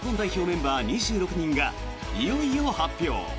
メンバー２６人がいよいよ発表。